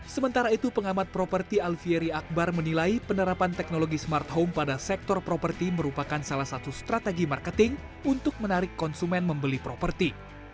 sementara itu pengamat properti alfieri akbar menilai penerapan teknologi smart home pada sektor properti merupakan salah satu strategi marketing untuk menarik konsumen membeli properti